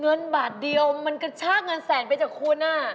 เงินบาทเดียวมันกระชากเงินแสนไปจากคุณ